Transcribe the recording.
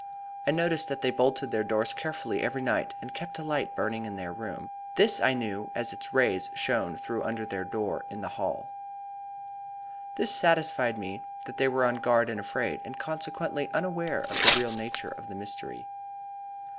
I noticed that they bolted their doors carefully every night and kept a light burning in their room. This I knew, as its rays shone through under their door into the hall. "This satisfied me that they were on guard and afraid, and consequently unaware of the real nature of the mystery.